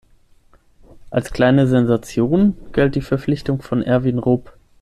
Als kleine Sensation galt die Verpflichtung von Erwin Rupp.